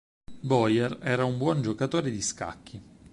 Boyer era un buon giocatore di scacchi.